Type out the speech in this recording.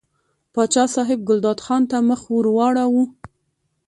پاچا صاحب ګلداد خان ته مخ ور واړاوه.